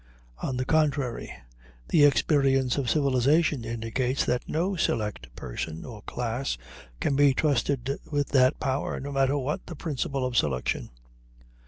On the contrary, the experience of civilization indicates that no select person or class can be trusted with that power, no matter what the principle of selection.